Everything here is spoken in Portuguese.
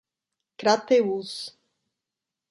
Crateús